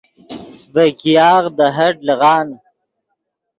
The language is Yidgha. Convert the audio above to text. ڤے ګیاغ دے ہٹ لیغان